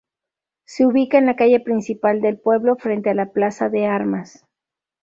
Se ubica en la calle principal del pueblo frente a la plaza de armas.